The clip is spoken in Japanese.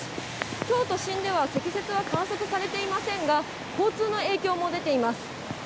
きょう、都心では積雪は観測されていませんが、交通の影響も出ています。